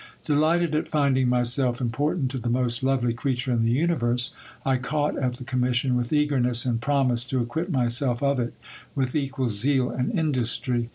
Delighted at finding my sel " important to the most lovely creature in the universe, I caught at the com mission with eagerness, and promised to acquit myself of it with equal zeal and industry.